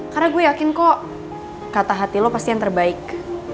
karena gue yakin kok kata hati lo pasti yang terbaik